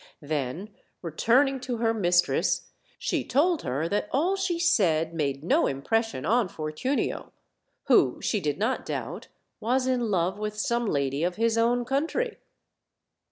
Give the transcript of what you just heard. Then, returning to her mistress, she told her that all she said made no impression on Fortunio, who, she did not doubt, was in love with some lady of his own country.